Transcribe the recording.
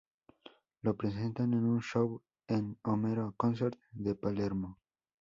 Lo presentan en un show en Homero Concert de Palermo.